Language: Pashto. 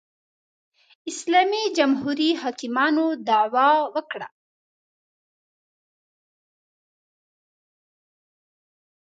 اسلامي جمهوري حاکمانو دعوا وکړه